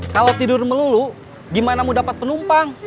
kalau tidur melulu gimana mau dapat penumpang